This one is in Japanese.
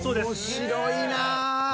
面白いな。